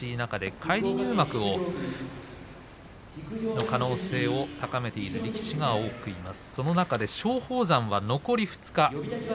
返り入幕の可能性を高めている力士がいます。